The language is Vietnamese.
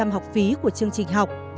bảy mươi năm học phí của chương trình học